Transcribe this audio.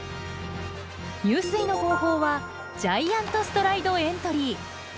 入水の方法はジャイアント・ストライド・エントリー。